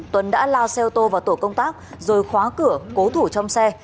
tuấn đã lao xe ô tô vào tổ công tác rồi khóa cửa cố thủ trong xe